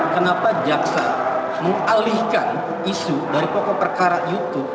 kenapa jaksa mengalihkan isu dari pokok perkara itu